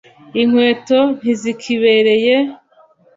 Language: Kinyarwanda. inkweto ntizikibereye.